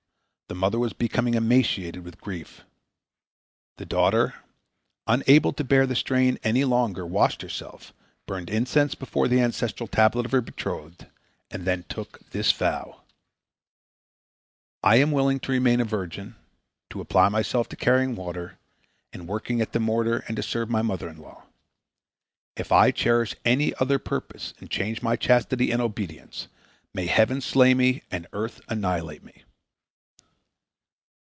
The mother was becoming emaciated with grief. The daughter, unable to bear the strain any longer, washed herself, burned incense before the ancestral tablet of her betrothed, and then took this vow: "I am willing to remain a virgin, to apply myself to carrying water and working at the mortar and to serve my mother in law. If I cherish any other purpose and change my chastity and obedience, may Heaven slay me and earth annihilate me."